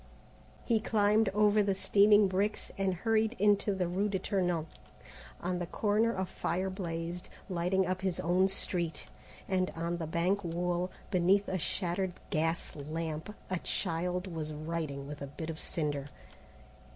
He climbed over the steaming bricks and hurried into the rue de Tournon. On the corner a fire blazed, lighting up his own street, and on the bank wall, beneath a shattered gas lamp, a child was writing with a bit of cinder.